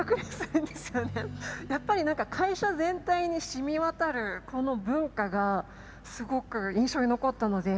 やっぱり何か会社全体に染み渡るこの文化がすごく印象に残ったので。